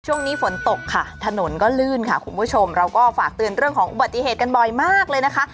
ช่วงนี้ฝนตกค่ะถนนก็ลื่นค่ะคุณผู้ชมเราก็ฝากเตือนเรื่องของอุบัติเหตุกันบ่อยมากเลยนะคะ